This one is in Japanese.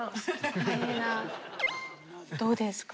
どうですか？